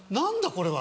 これは。